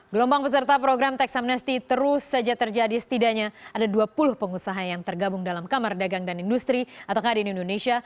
gelombang peserta program teks amnesty terus saja terjadi setidaknya ada dua puluh pengusaha yang tergabung dalam kamar dagang dan industri atau kadin indonesia